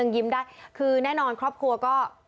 แน่นอนครอบครัวก็